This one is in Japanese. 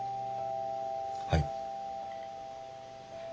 はい。